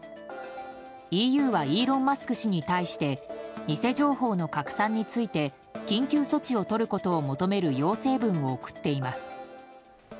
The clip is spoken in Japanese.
ＥＵはイーロン・マスク氏に対して偽情報の拡散について緊急措置をとることを求める要請文を送っています。